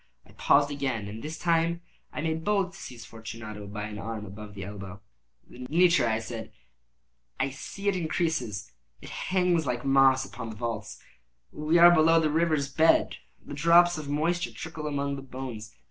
I paused again, and this time I made bold to seize Fortunato by an arm above the elbow. "The nitre!" I said: "see, it increases. It hangs like moss upon the vaults. We are below the river's bed. The drops of moisture trickle among the bones.